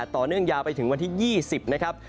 ต่อเนื่องยาวไปถึงวันที่๒๐นะครับ